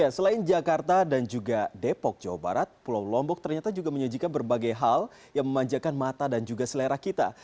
selain jakarta dan juga depok jawa barat pulau lombok ternyata juga menyajikan berbagai hal yang memanjakan mata dan juga selera kita